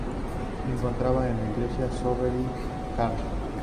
Se encontraba en la iglesia de Söderby-Karl.